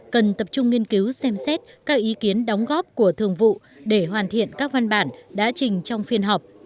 cần tập trung nghiên cứu xem xét các ý kiến đóng góp của thường vụ để hoàn thiện các văn bản đã trình trong phiên họp